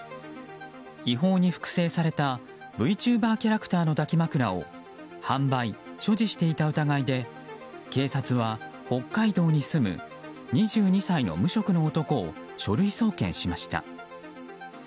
違法に複製されたＶチューバーキャラクターの抱き枕を販売・所持していた疑いで警察は、北海道に住む２２歳の無職の男を書類送検しました。